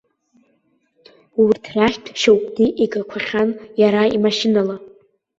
Урҭ рахьтә шьоукгьы игақәахьан иара имашьынала.